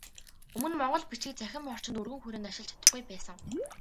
Өмнө монгол бичгийг цахим орчинд өргөн хүрээнд ашиглаж чадахгүй байсан.